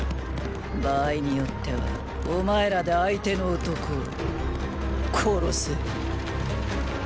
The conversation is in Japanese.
場合によってはお前らで相手の男を殺せ。